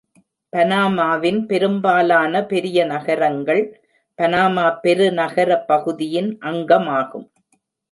பனாமாவின் பெரும்பாலான பெரிய நகரங்கள் பனாமா பெருநகர பகுதியின் அங்கமாகும்.